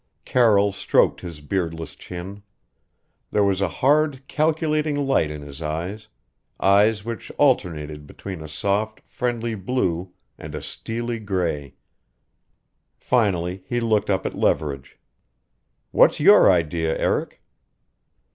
Carroll stroked his beardless chin. There was a hard, calculating light in his eyes eyes which alternated between a soft, friendly blue and a steely gray. Finally he looked up at Leverage. "What's your idea, Eric?"